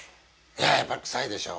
いやぁやっぱり臭いでしょ？